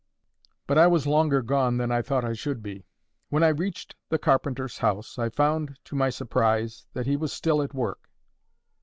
But I was longer gone than I thought I should be. When I reached the carpenter's house, I found, to my surprise, that he was still at work.